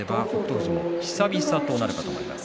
富士も久々となるかと思います。